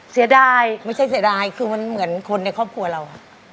เสียดายไม่ใช่เสียดายคือมันเหมือนคนในครอบครัวเรา